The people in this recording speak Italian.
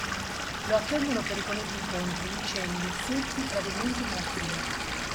Lo attendono pericolosi incontri, incendi, furti, tradimenti e malattie.